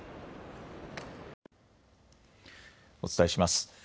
お伝えします。